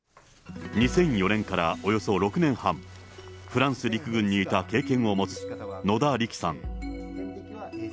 ２００４年からおよそ６年半、フランス陸軍にいた経験を持つ野田力さん。